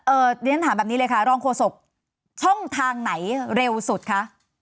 เรียนถามแบบนี้เลยค่ะรองโฆษกช่องทางไหนเร็วสุดคะ